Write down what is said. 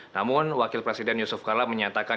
namun wakil presiden yusuf kala menyatakan